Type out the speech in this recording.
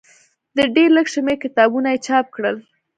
د ډېر لږ شمېر کتابونه یې چاپ کړل.